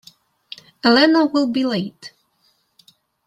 Elena will be late.